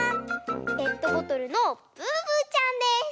ペットボトルのブーブーちゃんです。